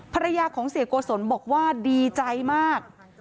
ภรรยาของเสียโกศลบอกว่าดีใจมาก